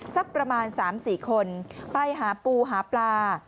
สักประมาณ๓๔คนไปหาปูหาปลา